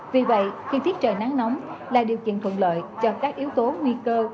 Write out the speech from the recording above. vì vậy khi thiết trời nắng nóng là điều kiện thuận lợi cho các yếu tố nguy cơ